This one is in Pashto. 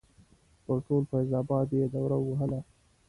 پر ټول فیض اباد یې دوره ووهله.